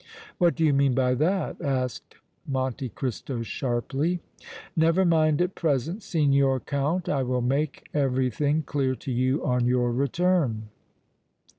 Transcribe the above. "What do you mean by that?" asked Monte Cristo, sharply. "Never mind at present, Signor Count! I will make everything clear to you on your return."